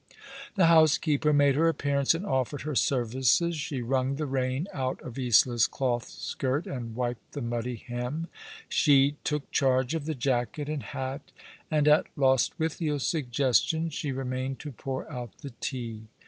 The housekeeper made her appearance and offered her services. She wrung the rain out of Isola's cloth skirt, and wiped the muddy hem. She took charge of the jacket and hat, and at Lostwithiel's suggestion she remained to pour out the tea.